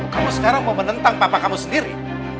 kamu sekarang mau menentang papa kamu sendiri